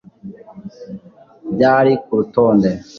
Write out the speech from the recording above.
byari kurutonde